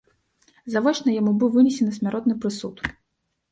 Завочна яму быў вынесены смяротны прысуд.